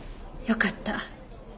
よかった。